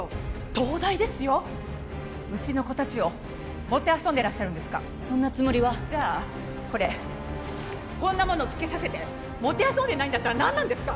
東大ですようちの子達をもてあそんでらっしゃるんですかそんなつもりはじゃこれこんなものつけさせて！もてあそんでないんだったら何なんですか！